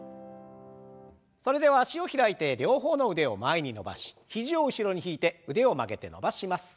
それでは脚を開いて両方の腕を前に伸ばし肘を後ろに引いて腕を曲げて伸ばします。